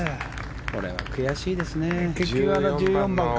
これは悔しいですね。